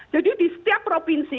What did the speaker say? jadi di setiap provinsi